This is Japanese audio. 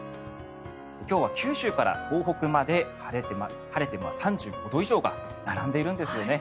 今日は九州から東北まで晴れて３５度以上が並んでいるんですよね。